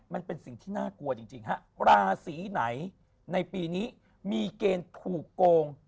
มันเป็นสิ่งที่น่ากลัวจริงฮะราศีไหนในปีนี้มีเกณฑ์ถูกโกง